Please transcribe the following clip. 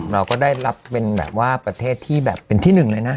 เราก็ได้รับเป็นแบบว่าประเทศที่แบบเป็นที่หนึ่งเลยนะ